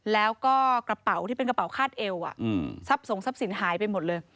และก็กระเป๋าที่เป็นกระเป๋าฆาตเอวสับส่งสับสินหายไปหมดเลย